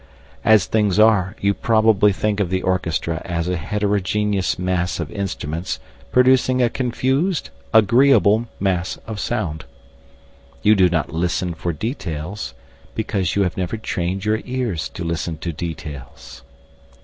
As things are, you probably think of the orchestra as a heterogeneous mass of instruments producing a confused agreeable mass of sound. You do not listen for details because you have never trained your ears to listen to details.